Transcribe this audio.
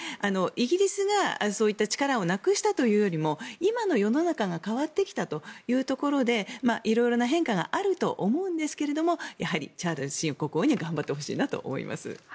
イギリスがそういった力をなくしたというよりも今の世の中が変わってきたというところで色々な変化があると思うんですけれどやはりチャールズ新国王には頑張ってほしいなと思います。